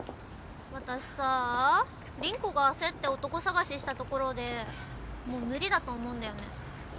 私さ凛子が焦って男探ししたところでもう無理だと思うんだよね。